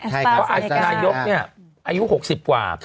เพราะอาจารย์นายกเนี่ยอายุ๖๐กว่า